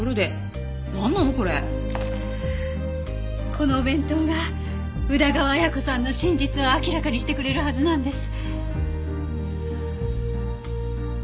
このお弁当が宇田川綾子さんの真実を明らかにしてくれるはずなんです。